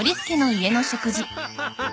ハハハハ。